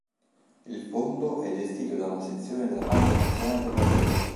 Il Fondo è gestito da una sezione della Banca Nazionale del Lavoro.